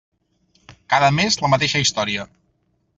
Cada mes, la mateixa història.